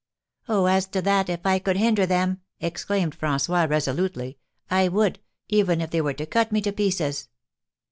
"Oh, as to that, if I could hinder them," exclaimed François, resolutely, "I would, even if they were to cut me to pieces!"